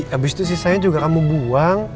habis itu sisanya juga kamu buang